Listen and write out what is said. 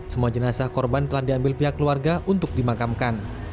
semua jenazah korban telah diambil pihak keluarga untuk dimakamkan